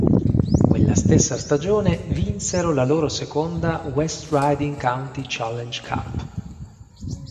Quella stessa stagione vinsero la loro seconda West Riding County Challenge Cup.